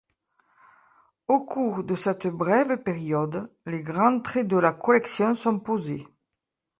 Au cours de cette brève période, les grands traits de la collection sont posés.